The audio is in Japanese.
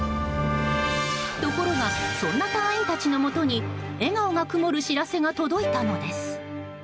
ところがそんな隊員たちのもとに笑顔が曇る知らせが届いたのです。